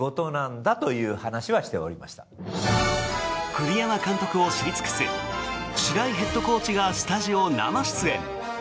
栗山監督を知り尽くす白井ヘッドコーチがスタジオ生出演。